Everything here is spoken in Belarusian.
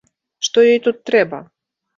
Што ёй тут трэба?